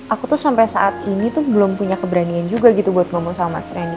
aku tuh sampai saat ini tuh belum punya keberanian juga gitu buat ngomong sama mas randy